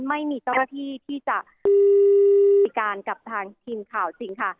ไม่มีเจ้าหน้าที่ที่จะมีการกับทางทีมข่าวจริงค่ะ